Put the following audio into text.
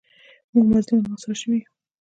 موږ مظلوم او محاصره شوي یو.